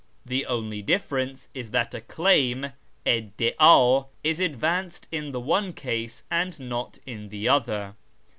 The only difference is that a ' claim ' (iddid) is advanced in the one case and not in the other.